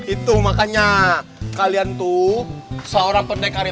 itu makanya kalian tuh seorang pendekar